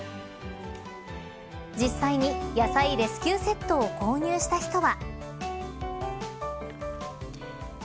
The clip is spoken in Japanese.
実際に野菜レスキューセットを購入した人は。